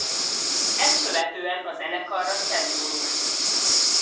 Ezt követően a zenekarra csend borult.